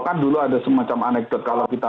kan dulu ada semacam anekdot kalau kita